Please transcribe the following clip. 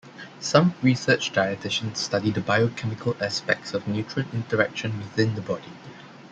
Some research dietitians study the biochemical aspects of nutrient interaction within the body.